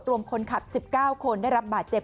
รวมคนขับ๑๙คนได้รับบาดเจ็บ